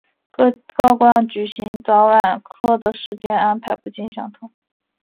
各道观举行早晚课的时间安排不尽相同。